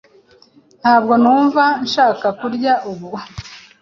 Ntabwo numva nshaka kurya ubu.